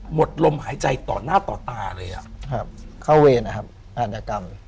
หมดลมหายใจต่อหน้าต่อตาเลยครับเข้าเวรพรรดิกรรม